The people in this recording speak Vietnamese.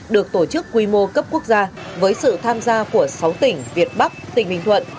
được tổ chức quy mô cấp quốc gia với sự tham gia của sáu tỉnh việt bắc tỉnh bình thuận